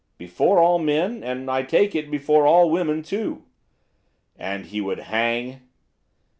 'Before all men, and, I take it, before all women too.' 'And he would hang?